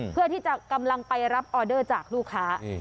เพื่อที่จะกำลังไปรับออเดอร์จากลูกค้า